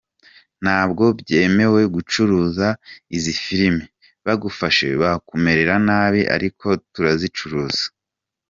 Ntabwo byemewe gucuruza izi filime, bagufashe bakumerera nabi ariko turazicuruza”.